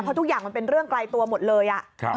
เพราะทุกอย่างมันเป็นเรื่องไกลตัวหมดเลย